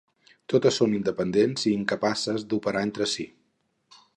Totes són independents i incapaces d'operar entre si.